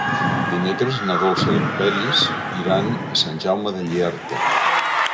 Dimecres na Dolça i en Peris iran a Sant Jaume de Llierca.